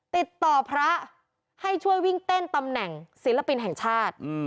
ติดต่อพระให้ช่วยวิ่งเต้นตำแหน่งศิลปินแห่งชาติ